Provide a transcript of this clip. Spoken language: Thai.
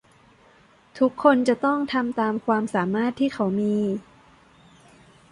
ทุกคนจะต้องทำตามความสามารถที่เขามี